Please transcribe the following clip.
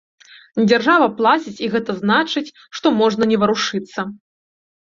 Дзяржава плаціць, і гэта значыць, што можна не варушыцца.